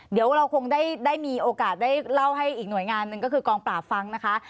เดี๋ยวเราคงได้มีโอกาสได้เล่าให้อีกหน่วยงานหนึ่งก็คือกองปราบฟังนะคะ